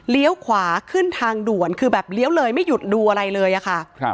ขวาขึ้นทางด่วนคือแบบเลี้ยวเลยไม่หยุดดูอะไรเลยอะค่ะ